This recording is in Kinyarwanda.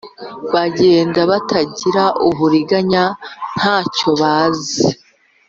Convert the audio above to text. bagenda batagira uburiganya, nta cyo bazi.